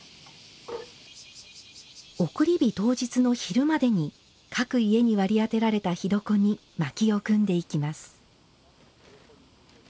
送り火当日の昼までに各家に割りあてられた火床にまきを組んでいきます。